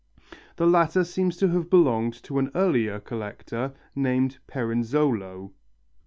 The latter seem to have belonged to an earlier collector named Perenzolo.